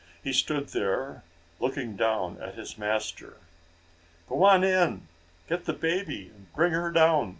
He stood there, looking down at his master. "Go on in! Get the baby and bring her down!"